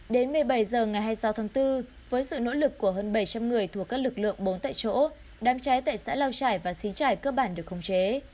đến một mươi bảy h ngày hai mươi sáu tháng bốn với sự nỗ lực của hơn bảy trăm linh người thuộc các lực lượng bốn tại chỗ đám cháy tại xã lao trải và xín trải cơ bản được khống chế